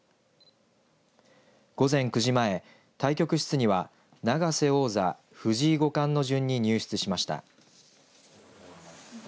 午前９時前、対局室には永瀬王座藤井五冠の順に入室しました。